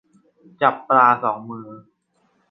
จับปลาสองมือ